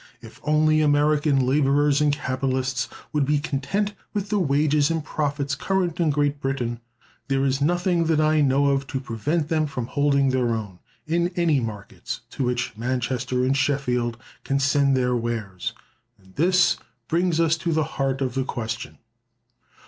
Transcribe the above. If only American laborers and capitalists would be content with the wages and profits current in Great Britain, there is nothing that I know of to prevent them from holding their own in any markets to which Manchester and Sheffield can send their wares. And this brings us to the heart of the question.